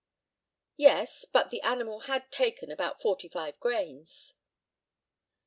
Yes; but the animal had taken about 45 grains.